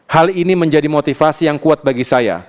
hal ini menjadi motivasi yang kuat bagi saya